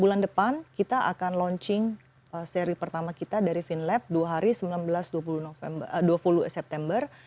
bulan depan kita akan launching seri pertama kita dari vinlab dua hari sembilan belas dua puluh september